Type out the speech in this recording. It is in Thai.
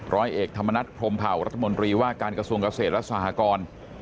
ร้อยเอกธรรมนัฐพรมเผารัฐมนตรีว่าการกระทรวงเกษตรและสหกร